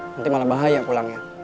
nanti malah bahaya pulangnya